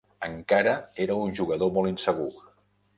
Encara era un jugador molt insegur.